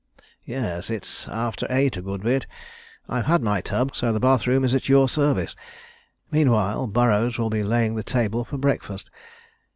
"Yes, it's after eight a good bit. I've had my tub, so the bath room is at your service. Meanwhile, Burrows will be laying the table for breakfast.